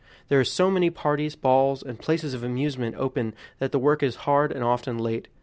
There are so many parties, balls, and places of amusement open that the work is hard and often late.